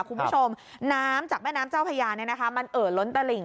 คุณผู้ชมน้ำจากแม่น้ำเจ้าพยาเนี่ยนะคะมันเอ่อล้นตะหลิง